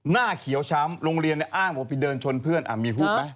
บอกว่าไปเดินชนเพื่อนอ่ะมีพูดไหม